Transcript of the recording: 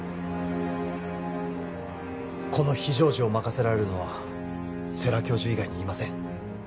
この非常時を任せられるのは世良教授以外にいません